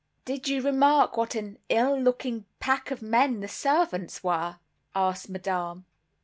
"Did you remark what an ill looking pack of men the servants were?" asked Madame.